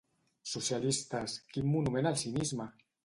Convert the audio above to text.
Socialistes, quin monument al cinisme!